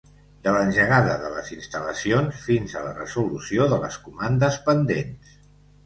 De l’engegada de les instal·lacions fins a la resolució de les comandes pendents.